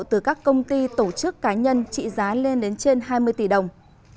từ các công ty tổ chức cá nhân trị giá lên đến trên hai mươi tỷ đồng